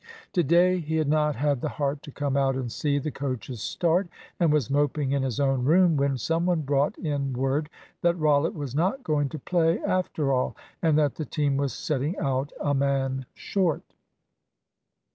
To day he had not had the heart to come out and see the coaches start, and was moping in his own room, when some one brought in word that Rollitt was not going to play after all, and that the team was setting out a man short.